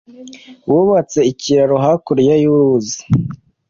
Bubatse ikiraro hakurya y'uruzi.